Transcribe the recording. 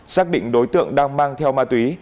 xác định đối tượng đang mang theo ma túy